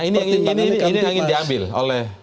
nah ini yang ingin diambil oleh